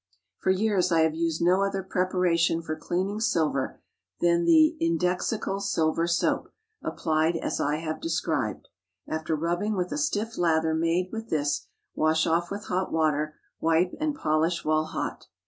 For years I have used no other preparation for cleaning silver than the Indexical silver soap, applied as I have described. After rubbing with a stiff lather made with this, wash off with hot water, wipe and polish while hot.